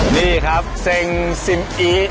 นี่ครับเซ็งซิมอีท